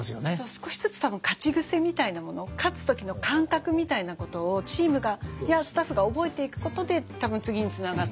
少しずつ多分勝ち癖みたいなもの勝つ時の感覚みたいなことをチームやスタッフが覚えていくことで多分次につながっていく。